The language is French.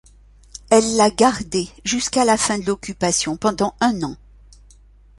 Elle l’a gardée jusqu’à la fin de l’occupation, pendant un an.